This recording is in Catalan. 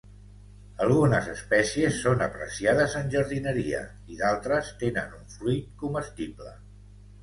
Algunes espècies són apreciades en jardineria i d'altres tenen un fruit comestible.